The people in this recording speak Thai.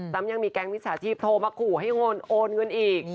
น้ำยังมีแก๊งมิตรศาสตร์ชีพโทรมาขู่ให้โอนเงินอีก